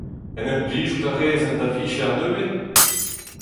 En em blijout a rez en da vicher nevez.